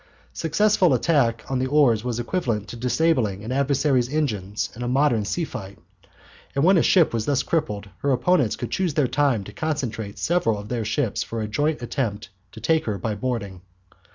Successful attack on the oars was equivalent to disabling an adversary's engines in a modern sea fight. And when a ship was thus crippled, her opponents could choose their own time to concentrate several of their ships for a joint attempt to take her by boarding.